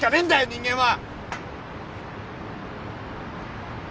人間は！